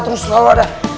terus terlalu ada